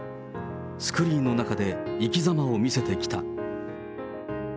スクリーンの中で生きざまを見せてきた。